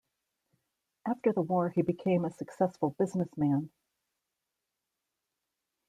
After the war, he became a successful businessman.